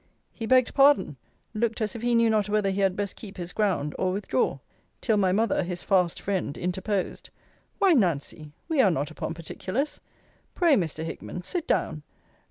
He begged pardon: looked as if he knew not whether he had best keep his ground, or withdraw: Till my mother, his fast friend, interposed Why, Nancy, we are not upon particulars. Pray, Mr. Hickman, sit down.